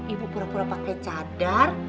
ibu pura pura pakai cadar